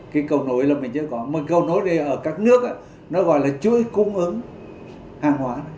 cái cầu nối là mình chưa có một cầu nối đi ở các nước nó gọi là chuỗi cung ứng hàng hóa